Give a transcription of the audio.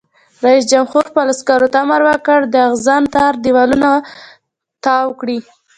رئیس جمهور خپلو عسکرو ته امر وکړ؛ د اغزن تار دیوالونه تاو کړئ!